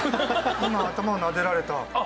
今頭をなでられた。